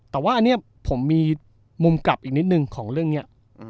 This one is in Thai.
แต่ว่าอันนี้ผมมีมุมกลับอีกนิดนึงของเรื่องนี้